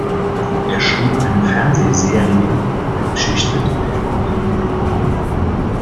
Er schrieb eine Fernsehserie über die Geschichte der Orgel in Europa.